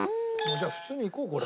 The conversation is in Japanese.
じゃあ普通にいこうこれ。